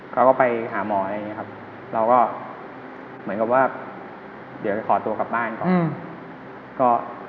เขาก็ไปหาหมออะไรอย่างนี้ครับเราก็เหมือนกับว่าเดี๋ยวจะขอตัวกลับบ้านก่อน